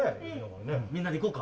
みんなで行こうか。